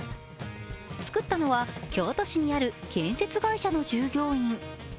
作ったのは京都市にある、建設会社の従業員。